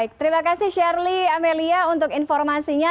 baik terima kasih shirley amelia untuk informasinya